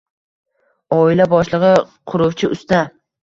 Oila boshlig`i quruvchi usta